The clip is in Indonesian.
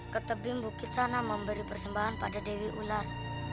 ke tebing bukit sana memberi persembahan pada dewi ular